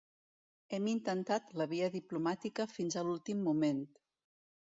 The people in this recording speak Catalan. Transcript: Hem intentat la via diplomàtica fins a l’últim moment.